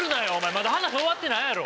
まだ話終わってないやろ。